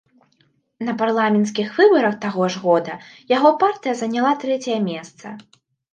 На парламенцкіх выбарах таго ж года яго партыя заняла трэцяе месца.